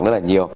rất là nhiều